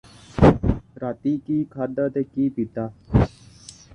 ਰਾਤੀਂ ਕੀ ਖਾਧਾ ਤੇ ਕੀ ਪੀਤਾ